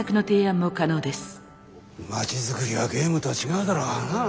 街づくりはゲームとは違うだろ。